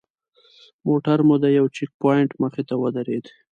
موټر مو د یوه چیک پواینټ مخې ته ودرېد.